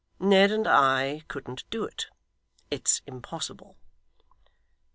Ned and I couldn't do it. It's impossible.